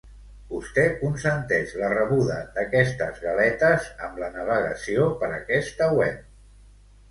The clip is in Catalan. Vostè consenteix la rebuda d'aquestes galetes amb la navegació per aquesta web.